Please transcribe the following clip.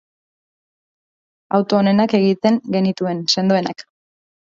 Auto onenak egiten genituen, sendoenak.